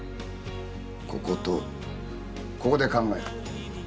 こことここで考えろ。